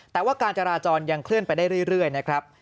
แต่ว่าการจราจรยังเคลื่อนไปได้เรื่อยนะครับ